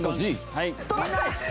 はい。